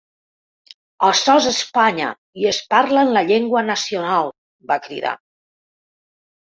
“Açò és Espanya i es parla en la llengua nacional”, va cridar.